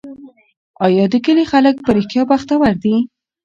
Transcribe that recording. آیا د کلي خلک په رښتیا بختور دي؟